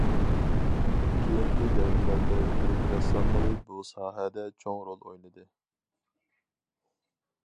كېيىنكى دەۋرلەردە تۈرك رەسساملىرى بۇ ساھەدە چوڭ رول ئوينىدى.